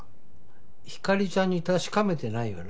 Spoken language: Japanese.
ひかりちゃんに確かめてないよな？